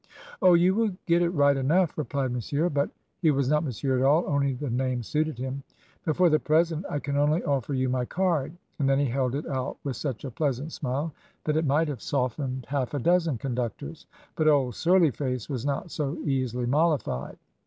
"'Oh, you will get it right enough," replied Monsieur (but he was not Monsieur at all, only the name suited him); 'but for the present I can only offer you my card;' and then he held it out with such a pleasant smile that it might have softened half a dozen conductors. But old Surly Face was not so easily mollified.